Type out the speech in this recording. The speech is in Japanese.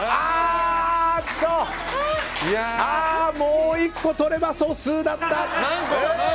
もう１個とれば素数だった！